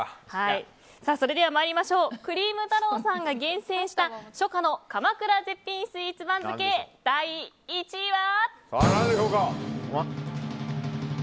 それでは参りましょうクリーム太朗さんが厳選した初夏の鎌倉絶品スイーツ番付第１位は。